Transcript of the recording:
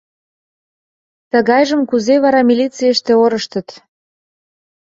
Тыгайжым кузе вара милицийыште орыштыт?»